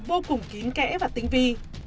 vô cùng kín kẽ và tinh vi